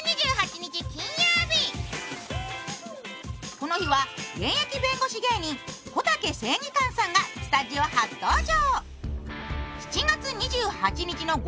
この日は現役弁護士芸人こたけ正義感さんがスタジオ初登場。